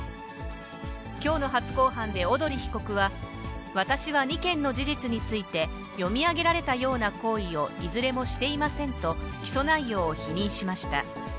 きょうの初公判で小鳥被告は、私は２件の事実について、読み上げられたような行為を、いずれもしていませんと、起訴内容を否認しました。